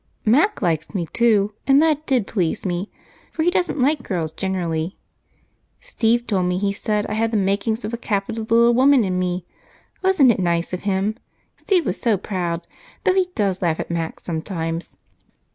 "Mac likes me, too, and that did please me, for he doesn't like girls generally. Steve told me he said I had the 'making of a capital little woman in me.' Wasn't it nice of him? Steve was so proud, though he does laugh at Mac sometimes."